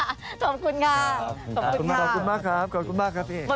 ขอบคุณค่ะขอบคุณมากขอบคุณมากครับขอบคุณมากครับพี่เอก